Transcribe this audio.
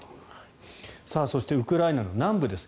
そしてウクライナ南部です。